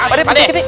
eh pak deh serikiti